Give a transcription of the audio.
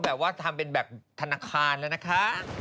ทำทางทนาคารละ